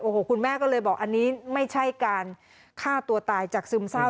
โอ้โหคุณแม่ก็เลยบอกอันนี้ไม่ใช่การฆ่าตัวตายจากซึมเศร้า